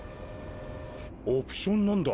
オプションなんだ？